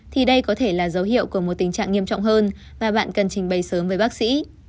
thì đây có thể là dấu hiệu của một tình trạng nghiêm trọng hơn và bạn cần trình bày sớm với bác sĩ